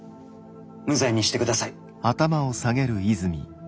無罪にしてください。